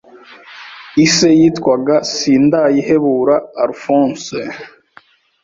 Ise yitwaga Sindayihebura Alphonse